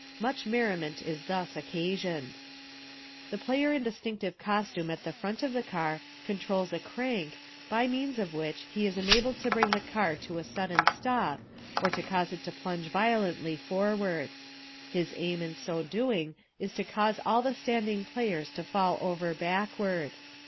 Much merriment is thus occasioned. The player in distinctive costume at the front of the car controls a crank, by means of which he is enabled to bring the car to a sudden stop, or to cause it to plunge violently forward. His aim in so doing is to cause all the standing players to fall over backward.